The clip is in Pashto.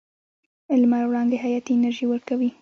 لمر وړانګې حیاتي انرژي ورکوي.